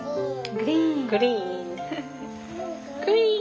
グリーン。